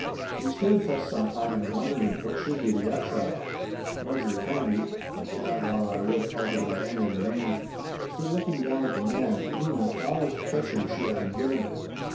We stood thus some time in wonderment what should be the upshot. Marjorie Kennedy (I cannot while I live call her by any other name) stood looking down at the man to whom in foulest treachery she had been given.